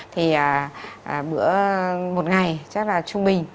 thì bữa một ngày chắc là trung bình